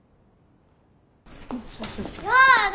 やだ！